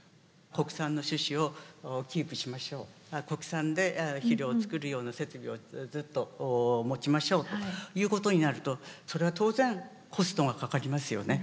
「国産の種子をキープしましょう」「国産で肥料を作るような設備をずっと持ちましょう」ということになるとそれは当然コストがかかりますよね。